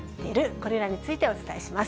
これらについてお伝えします。